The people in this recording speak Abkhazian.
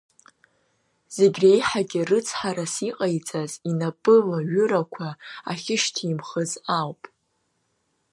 Зегь реиҳагьы рыцҳарас иҟаиҵаз инапылаҩырақәа ахьышьҭимхыз ауп.